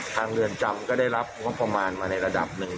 ทางเงินจำก็ได้รับประมาณมาในระดับหนึ่ง